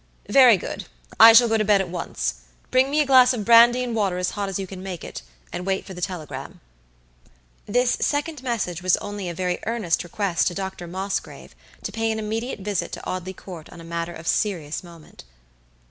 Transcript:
"Very good. I shall go to bed at once. Bring me a glass of brandy and water as hot as you can make it, and wait for the telegram." This second message was only a very earnest request to Doctor Mosgrave to pay an immediate visit to Audley Court on a matter of serious moment.